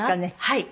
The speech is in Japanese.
はい。